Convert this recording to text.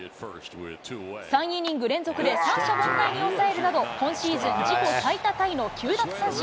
３イニング連続で三者凡退に抑えるなど、今シーズン自己最多タイの９奪三振。